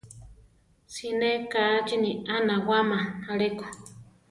Siné kachini a nawáma aleko.